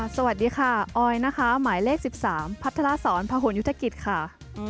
สวัสดีค่ะบูมค่ะหมายเลข๕ค่ะ